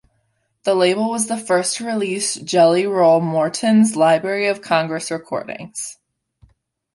The label was the first to release Jelly Roll Morton's Library of Congress recordings.